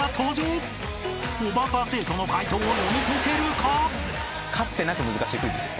［おバカ生徒の解答を読み解けるか？］